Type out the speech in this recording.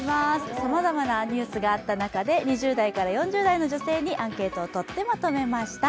さまざまなニュースがあった中で２０代から４０代の女性にアンケートを取ってまとめました。